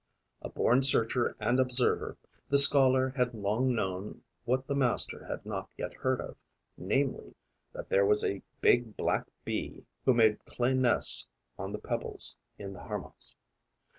A born searcher and observer, the scholar had long known what the master had not yet heard of, namely, that there was a big black Bee who made clay nests on the pebbles in the harmas.